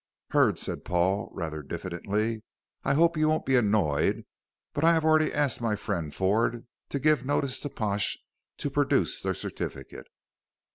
"Hurd," said Paul, rather diffidently, "I hope you won't be annoyed, but I have already asked my friend Ford to give notice to Pash to produce the certificate."